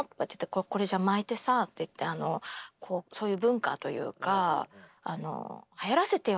これじゃあ巻いてさそういう文化というかはやらせてよ